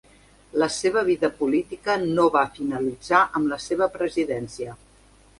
La seva vida política no va finalitzar amb la seva presidència.